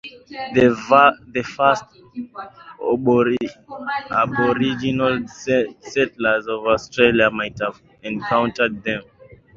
The first aboriginal settlers of Australia might have encountered them.